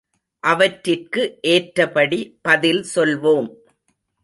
அவற்றிற்கு ஏற்றபடி பதில் சொல்வோம்.